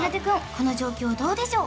この状況どうでしょう？